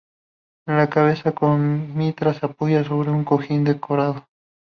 La cabeza con mitra se apoya sobre un cojín decorado.